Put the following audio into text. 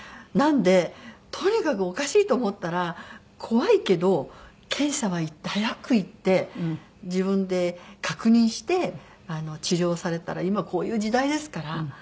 なのでとにかくおかしいと思ったら怖いけど検査は行って早く行って自分で確認して治療されたら今こういう時代ですから。